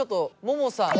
ももさん。